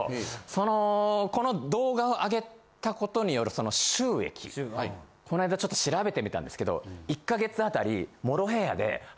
そのこの動画をあげたことによるその収益この間ちょっと調べてみたんですけど１か月あたりモロヘイヤで○